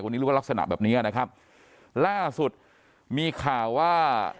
วันนี้รู้ว่ารักษณะแบบเนี้ยนะครับล่าสุดมีข่าวว่า